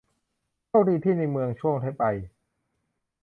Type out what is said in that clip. โชคดีที่ในเมืองช่วงที่ไป